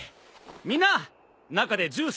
みんな中でジュースでもどう？